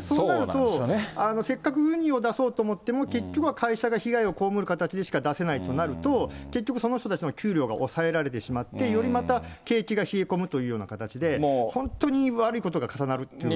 そうなると、せっかくウニを出そうと思っても、結局は会社が被害を被る形でしか出せないとなると、結局その人たちの給料が抑えられてしまって、よりまた景気が冷え込むというような形で、本当に悪いことが重なるということに。